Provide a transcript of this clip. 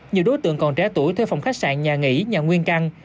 nhiều đối tượng còn trẻ tuổi thuê phòng khách sạn nhà nghỉ nhà nguyên căn